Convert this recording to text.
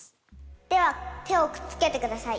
では手をくっつけてください。